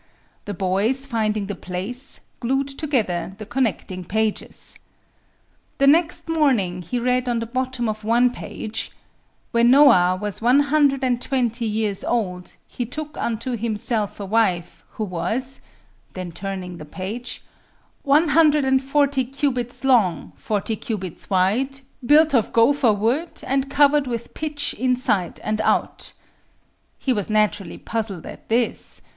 The boys, finding the place, glued together the connecting pages. The next morning he read on the bottom of one page: "When Noah was one hundred and twenty years old he took unto himself a wife, who was" then turning the page "one hundred and forty cubits long, forty cubits wide, built of gopher wood, and covered with pitch inside and out." He was naturally puzzled at this.